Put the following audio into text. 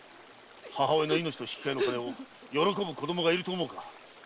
母親の命と引き替えの金を喜ぶ子供がいると思うか？